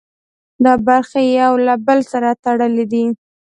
دا برخې یو له بل سره تړلي دي.